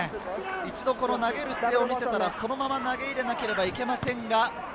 一度投げる姿勢を見せたら、そのまま投げ入れなければいけません。